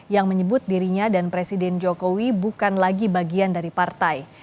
yang menyebut dirinya dan presiden jokowi bukan lagi bagian dari partai